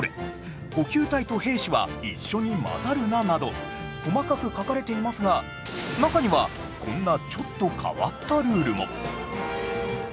「補給隊と兵士は一緒に混ざるな」など細かく書かれていますが中にはこんなちょっと変わったルールも